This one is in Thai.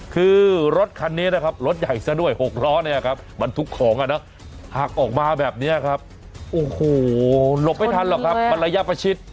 คือรถคันนี้นะครับรถใหญ่ซะด้วย๖ล้อเนี่ยครับบรรทุกของหักออกมาแบบนี้ครับโอ้โหหลบไม่ทันหรอกครับมันระยะประชิด